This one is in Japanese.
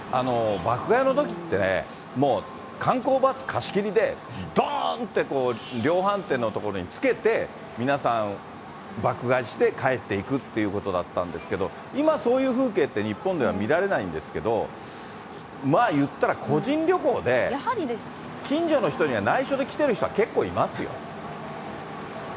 爆買いのときってね、もう観光バス貸し切りで、どーんってこう、量販店の所につけて、皆さん爆買いして帰っていくということだったんですけど、今、そういう風景って、日本では見られないんですけど、いったら個人旅行で、近所の人には内緒で来てる人は結構いますよ。